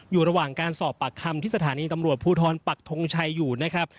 อยู่ระหว่างการสอบปากคำที่สถานีตำรวจภูทรปักทงชัยอยู่นะครับ